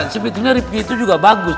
sebetulnya ripki itu juga bagus